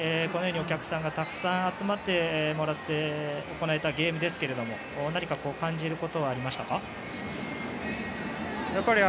このように、お客さんにたくさん集まってもらって行えたゲームですけれども何か感じることはありましたか？